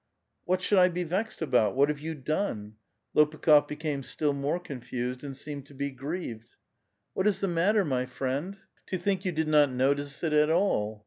" What should I be vexed about ? What have you done ?" Lopukh6f became still more confused, and seemed to be grieved. " What is the matter, my friend?" *' To think you did not notice it at all